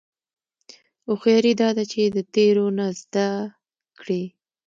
هوښیاري دا ده چې د تېرو نه زده کړې.